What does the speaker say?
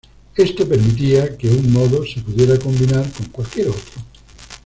Esto permitía que un modo se pudiera combinar con cualquier otro.